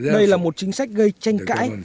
đây là một chính sách gây tranh cãi